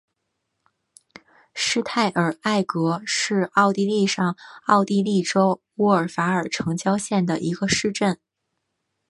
施泰尔埃格是奥地利上奥地利州乌尔法尔城郊县的一个市镇。